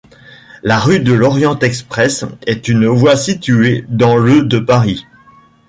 La rue de l'Orient-Express est une voie située dans le de Paris.